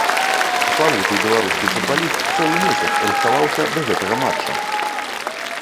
Славуты беларускі футбаліст цэлы месяц рыхтаваўся да гэтага матча.